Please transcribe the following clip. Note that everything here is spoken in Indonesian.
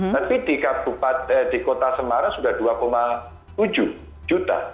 tapi di kota semarang sudah dua tujuh juta